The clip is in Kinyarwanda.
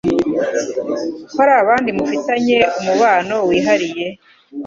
ko hari abandi mufitanye umubano wihariye.